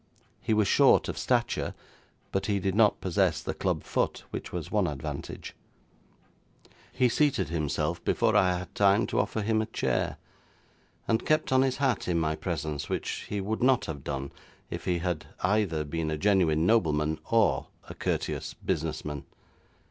He was short of stature, but he did not possess the club foot, which was one advantage. He seated himself before I had time to offer him a chair, and kept on his hat in my presence, which he would not have done if he had either been a genuine nobleman or a courteous business man.